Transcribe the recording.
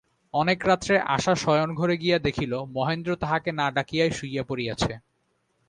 অনেক রাত্রে আশা শয়নঘরে গিয়া দেখিল, মহেন্দ্র তাহাকে না ডাকিয়াই শুইয়া পড়িয়াছে।